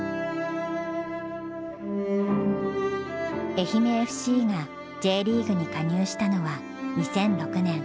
愛媛ＦＣがＪリーグに加入したのは２００６年。